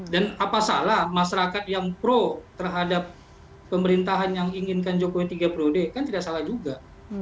apa salah masyarakat yang pro terhadap pemerintahan yang inginkan jokowi tiga periode kan tidak salah juga